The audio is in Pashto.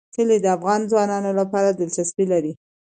کلي د افغان ځوانانو لپاره دلچسپي لري.